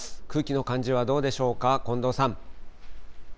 空気の感じはどうでしょうか、近藤さん。